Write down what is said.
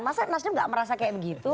masa mas dem gak merasa kayak begitu